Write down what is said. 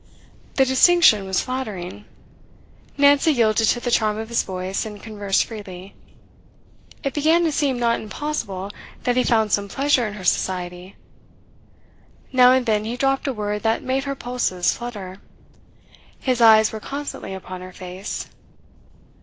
The distinction was flattering. Nancy yielded to the charm of his voice and conversed freely. It began to seem not impossible that he found some pleasure in her society. Now and then he dropped a word that made her pulses flutter; his eyes were constantly upon her face.